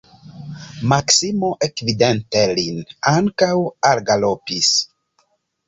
Maksimo, ekvidinte lin, ankaŭ algalopis.